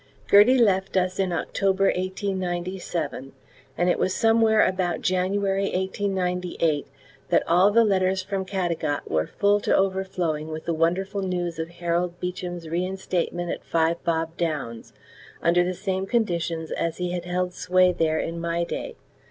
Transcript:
Gertie left us in October 1897, and it was somewhere about January 1898 that all the letters from Caddagat were full to overflowing with the wonderful news of Harold Beecham's reinstatement at Five Bob Downs, under the same conditions as he had held sway there in my day.